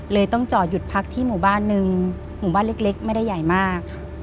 ต้องจอดหยุดพักที่หมู่บ้านนึงหมู่บ้านเล็กไม่ได้ใหญ่มาก